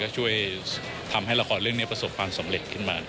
ช่วยทำให้ละครเรื่องนี้ประสบความสำเร็จขึ้นมา